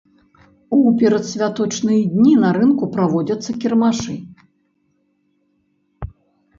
У перадсвяточныя дні на рынку праводзяцца кірмашы.